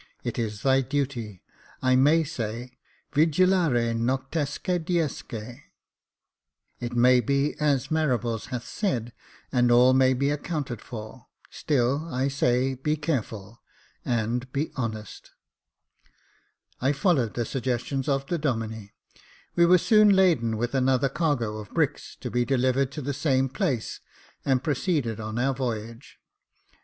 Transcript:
It is thy duty, I may say, Vigilare noctesque diesque. It may be as Marables hath said — and all may be accounted for ; still, I say, be careful, and be honest." I followed the suggestions of the Domine : we were soon laden with another cargo of bricks, to be delivered at the same place, and proceeded on our voyage.